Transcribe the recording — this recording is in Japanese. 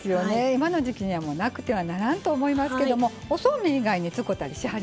今の時期にはもうなくてはならんと思いますけどもおそうめん以外に使うたりしはります？